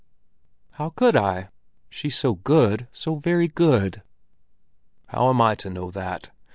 "How could I? She's so good, so very good." "How am I to know that?